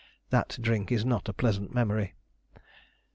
That drink is not a pleasant memory.